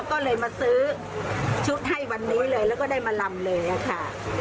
ก็เลยมาซื้อชุดให้วันนี้เลยแล้วก็ได้มาลำเลยค่ะ